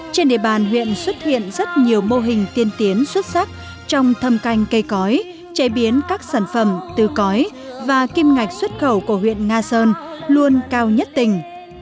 trên địa bàn huyện xuất hiện rất nhiều mô hình tiên tiến xuất sắc trong thâm canh cây cõi chế biến các sản phẩm từ cõi và kim ngạch xuất khẩu của huyện nga sơn luôn cao nhất tỉnh